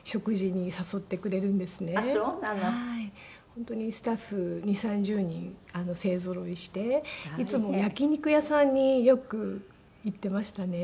本当にスタッフ２０３０人勢ぞろいしていつも焼き肉屋さんによく行っていましたね